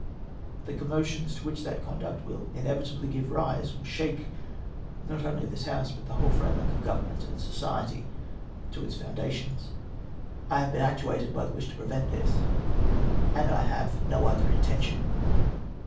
The commotions to which that conduct will inevitably give rise will shake, not only this House, but the whole framework of Government and society to its foundations. I have been actuated by the wish to prevent this, and I have had no other intention.